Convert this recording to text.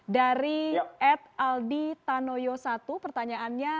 dari ed aldi tanoyo satu pertanyaannya